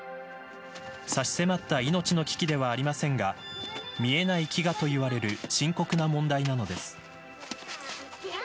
差し迫った命の危機ではありませんが見えない飢餓といわれる深刻な問題なのです。